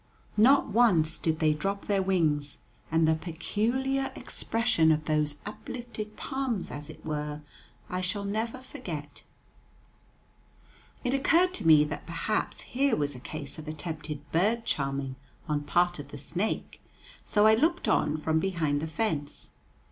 Not once did they drop their wings, and the peculiar expression of those uplifted palms, as it were, I shall never forget. It occurred to me that perhaps here was a case of attempted bird charming on the part of the snake, so I looked on from behind the fence.